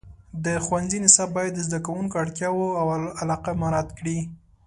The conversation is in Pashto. د ښوونځي نصاب باید د زده کوونکو اړتیاوې او علاقه مراعات کړي.